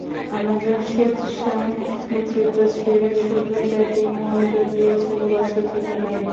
অন্যজন স্বেচ্ছায় নেতৃত্ব ছেড়ে শুধু ব্যাটিংয়ে মনোযোগ দিয়েছেন বছর তিনেক আগে।